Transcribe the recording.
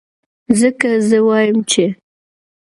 ځکه زۀ وائم چې